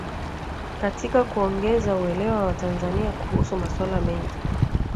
katika kuongeza uelewa wa Watanzania kuhusu masuala mengi